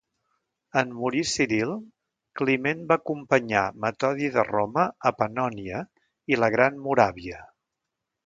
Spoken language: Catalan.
En morir Ciril, Climent va acompanyar Metodi de Roma a Pannònia i la Gran Moràvia.